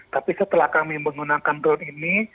tapi setelah kami menggunakan drone ini